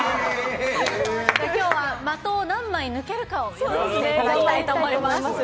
今日は的を何枚抜けるかを予想していただきたいと思います。